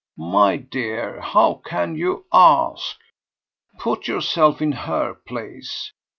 "My dear, how can you ask? Put yourself in her place.